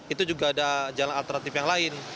itu juga ada jalan alternatif yang lain